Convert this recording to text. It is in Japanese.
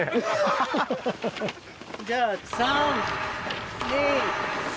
じゃあ。